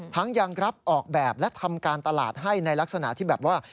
ยังรับออกแบบและทำการตลาดให้ในลักษณะที่แบบว่า